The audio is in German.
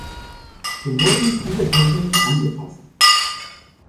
So wurden viele Techniken angepasst.